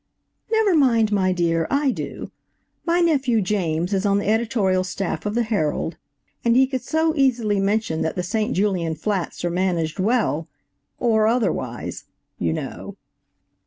"Never mind, my dear, I do. My nephew James is on the editorial staff of the Herald, and he could so easily mention that the St. Julien Flats are managed well–or otherwise, you know."